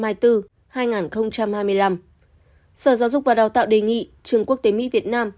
sở giáo dục và đào tạo đề nghị trường quốc tế mỹ việt nam